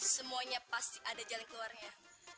semuanya pasti ada jalan keluarnya